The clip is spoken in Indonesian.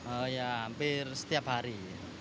oh ya hampir setiap hari